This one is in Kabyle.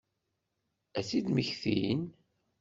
Ad tt-id-mmektin?